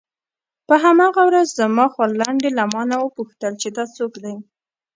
په هماغه ورځ زما خورلنډې له مانه وپوښتل چې دا څوک دی.